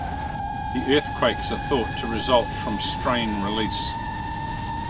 The earthquakes are thought to result from strain release.